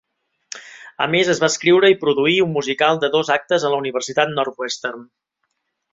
A més, es va escriure i produir un musical de dos actes en la Universitat Northwestern.